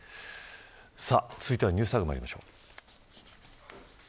続いてはＮｅｗｓＴａｇにまいりましょう。